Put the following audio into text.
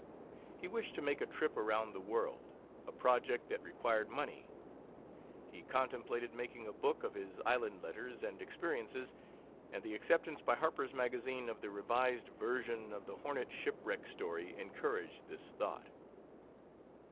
He wished to make a trip around the world, a project that required money. He contemplated making a book of his island letters and experiences, and the acceptance by Harper's Magazine of the revised version of the Hornet Shipwreck story encouraged this thought.